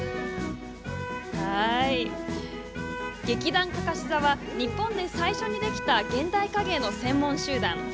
劇団かかし座は日本で最初にできた現代影絵の専門集団。